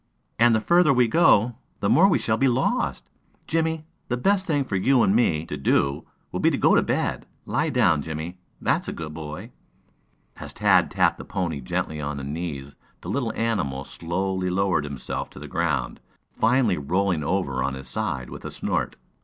"And the further we go, the more we shall be lost. Jimmie, the best thing for you and me to do will be to go to bed. Lie down, Jimmie, that's a good boy." As Tad tapped the pony gently on the knees the little animal slowly lowered himself to the ground, finally rolling over on his side with a snort.